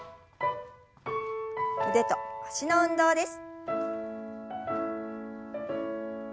腕と脚の運動です。